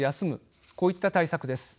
こういった対策です。